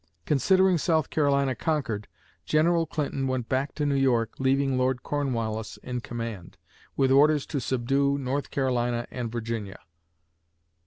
Considering South Carolina conquered, General Clinton went back to New York, leaving Lord Cornwallis in command, with orders to subdue North Carolina and Virginia.